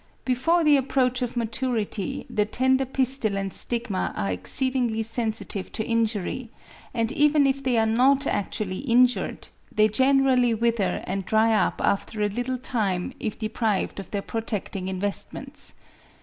Before the approach of maturity the tender pistil and stigma are exceedingly sensitive to injury, and even if they are not actually injured, they generally wither and dry up after a little time if deprived of their protecting investments.